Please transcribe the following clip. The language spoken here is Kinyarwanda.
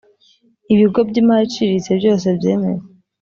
Ibikorwa by’ imari iciriritse byose byemewe